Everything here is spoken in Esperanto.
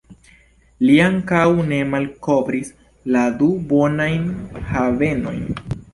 Li ankaŭ ne malkovris la du bonajn havenojn.